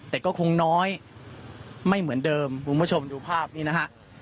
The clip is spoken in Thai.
แต่ก็คงน้อยไม่เหมือนเดิมคุณผู้ชมดูภาพนี้นะฮะ